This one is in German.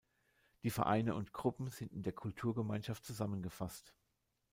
Die Vereine und Gruppen sind in der Kulturgemeinschaft zusammengefasst.